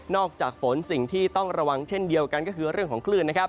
อกจากฝนสิ่งที่ต้องระวังเช่นเดียวกันก็คือเรื่องของคลื่นนะครับ